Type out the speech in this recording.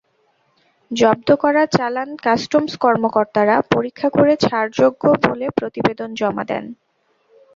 জব্দ করা চালান কাস্টমস কর্মকর্তারা পরীক্ষা করে ছাড়যোগ্য বলে প্রতিবেদন জমা দেন।